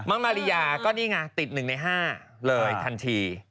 มาริยาก็นี่ไงติด๑ใน๕เลยทันที